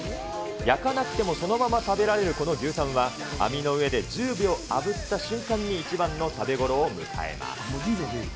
焼かなくてもそのまま食べられるこの牛タンは、網の上で１０秒あぶった瞬間に一番の食べごろを迎えます。